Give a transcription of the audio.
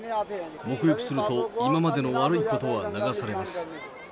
沐浴すると、今までの悪いことは流されます。